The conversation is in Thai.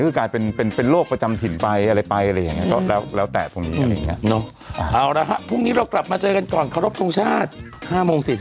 ก็กลายเป็นโรคประจำถิ่นไปอะไรแล้วแต่พรรภ์มีเอาอยู่อย่างนี้